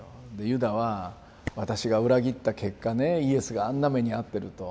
ユダは私が裏切った結果ねイエスがあんな目に遭ってると。